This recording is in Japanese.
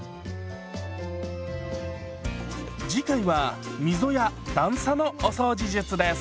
次回は溝や段差のお掃除術です。